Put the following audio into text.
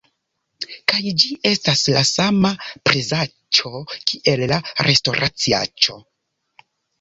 kaj ĝi estas la sama prezaĉo kiel la restoraciaĉo!